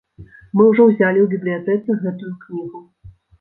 Мы ўжо ўзялі ў бібліятэцы гэтую кнігу.